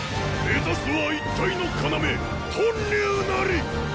目指すは一帯の要“屯留”なり！！